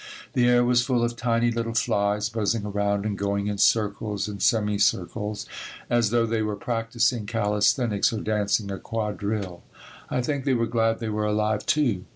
The air was full of tiny little flies, buzzing around and going in circles and semicircles as though they were practising calisthenics or dancing a quadrille. I think they were glad they were alive, too.